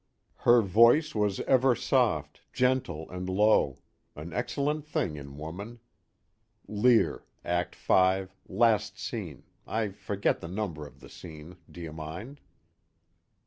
"Her voice was ever soft, gentle, and low, an excellent thing in woman" Lear, Act Five, last scene, I forget the number of the scene, do you mind?